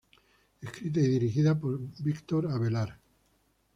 Escrita y dirigida por Víctor Avelar.